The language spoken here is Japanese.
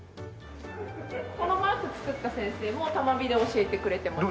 このマーク作った先生も多摩美で教えてくれてました。